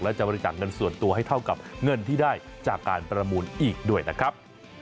และจะบริจาคเงินส่วนตัวให้เท่ากับเงินที่ได้จากการประมูลอีกด้วยนะครับ